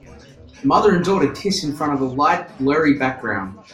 A mother and daughter kiss in front of a light, blurry background.